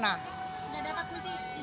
nggak dapat kunci